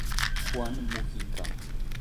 Juan Mujica